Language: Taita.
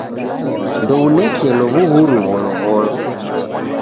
Ndounekelo w'uhuru gholow'olwa.